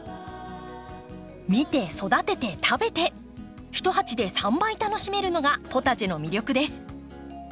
見て育てて食べて一鉢で３倍楽しめるのがポタジェの魅力です。